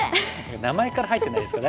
名前から入ってないですか？